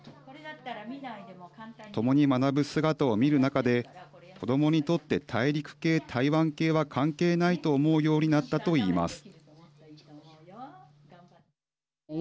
共に学ぶ姿を見る中で子どもにとって大陸系、台湾系は関係ないと思うようになったといいます。